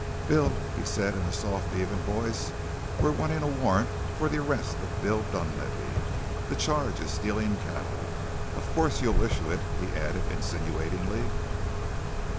"Bill," he said in a soft, even voice, "we're wantin' a warrant for the arrest of Bill Dunlavey. The charge is stealin' cattle. Of course you'll issue it," he added insinuatingly.